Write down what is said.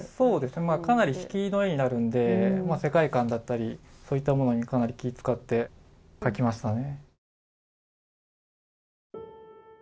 かなり引きの絵になるので、世界観とかそういったものにかなり気使って描きましたね